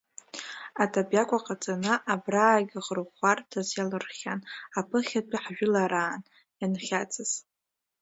Аҭабиақәа ҟаҵаны, абраагьы хырӷәӷәарҭас иалырххьан аԥыхьатәи ҳжәылараан ианхьаҵыз…